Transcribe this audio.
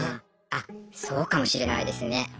あそうかもしれないですね。